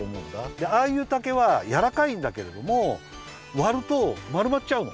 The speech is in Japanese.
でああいう竹はやわらかいんだけれどもわるとまるまっちゃうの。